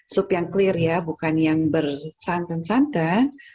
sup yang clear ya bukan yang bersantan santan